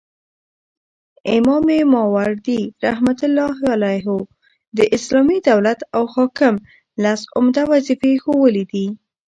امام ماوردي رحمه الله د اسلامي دولت او حاکم لس عمده وظيفي ښوولي دي